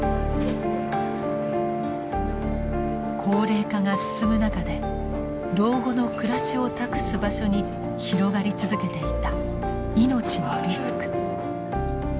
高齢化が進む中で老後の暮らしを託す場所に広がり続けていた命のリスク。